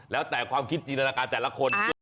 แล้วแต่ความคิดจินตนาการแต่ละคน